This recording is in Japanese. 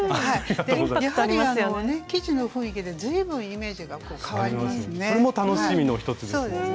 やはり生地の雰囲気で随分イメージが変わりますね。